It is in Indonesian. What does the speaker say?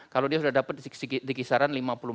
kalau dia sudah dapat dikisaran lima puluh empat